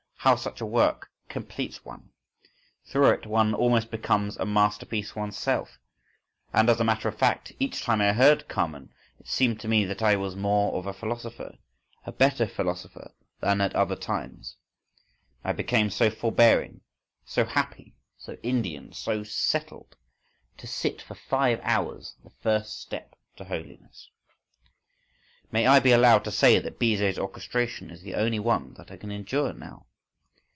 How such a work completes one! Through it one almost becomes a "masterpiece" oneself—And, as a matter of fact, each time I heard Carmen it seemed to me that I was more of a philosopher, a better philosopher than at other times: I became so forbearing, so happy, so Indian, so settled.… To sit for five hours: the first step to holiness!—May I be allowed to say that Bizet's orchestration is the only one that I can endure now?